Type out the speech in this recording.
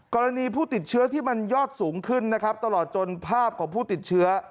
กรณีผู้ติดเชื้อที่มันยอดสูงขึ้นนะครับตลอดจนภาพของผู้ติดเชื้อ